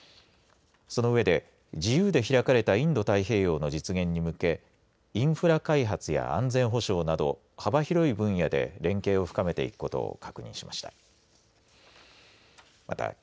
その上で自由で開かれたインド太平洋の実現に向けインフラ開発や安全保障など幅広い分野で連携を深めていくことを確認しました。